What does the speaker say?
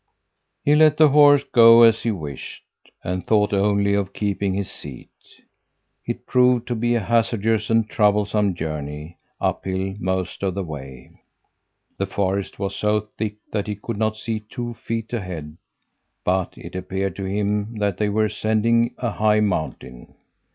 "He let the horse go as he wished and thought only of keeping his seat. It proved to be a hazardous and troublesome journey uphill most of the way. The forest was so thick that he could not see two feet ahead, but it appeared to him that they were ascending a high mountain.